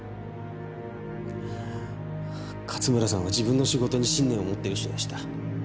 勝村さんは自分の仕事に信念を持っている人でした。